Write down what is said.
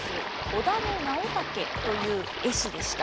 小田野直武という絵師でした。